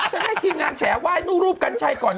ฉันให้ทีมงานแฉ้ว่ายรูปกันใช่ก่อน